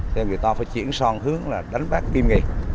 thì người ta phải chuyển son hướng là đánh bắt kim nghề